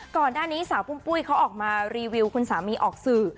ก่อนหน้านี้สาวปุ้มปุ้ยเขาออกมารีวิวคุณสามีออกสื่อ